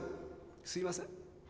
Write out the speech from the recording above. すいません。